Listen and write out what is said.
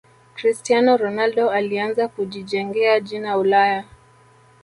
cristiano ronaldo alianza kujijengea jina ulaya